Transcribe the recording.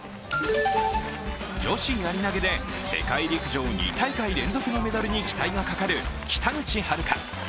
女子やり投げで世界陸上２大会連続のメダルに期待がかかる北口榛花。